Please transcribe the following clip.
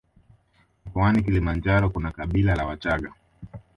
Mkoani Kilimanjaro kuna kabila la wachaga